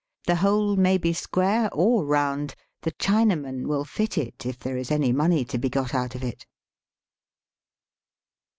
The hole may be square or round ; the Chinaman will fit it if there is any money to be got out of it.